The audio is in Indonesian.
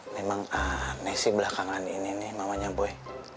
memang aneh sih belakangan ini nih mamanya gue